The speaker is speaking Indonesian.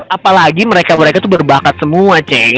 apalagi mereka mereka tuh berbakat semua ceng